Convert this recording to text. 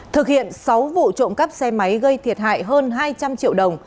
thực hiện sáu vụ trộm cắp xe máy gây thiệt hại hơn hai trăm linh triệu đồng